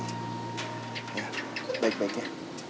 ya baik baik ya